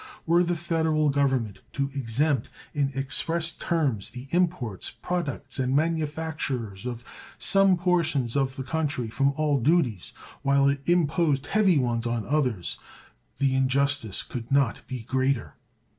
Were the Federal Government to exempt in express terms the imports, products, and manufactures of some portions of the country from all duties while it imposed heavy ones on others, the injustice could not be greater.